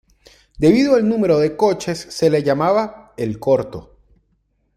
Debido al número de coches, se le llamaba "el Corto".